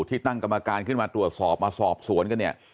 ที่ตั้งกรรมการขึ้นมาตรวจสอบมาสอบสวนกันเนี่ย